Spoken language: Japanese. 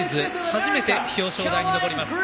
初めて表彰台に上ります。